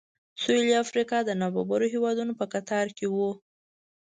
سوېلي افریقا د نابرابرو هېوادونو په کتار کې و.